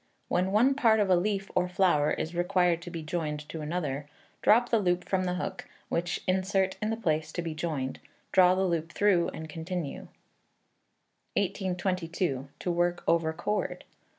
When one part of a leaf or flower is required to be joined to another, drop the loop from the hook, which insert in the place to be joined; draw the loop through and continue. 1822. To Work over Cord.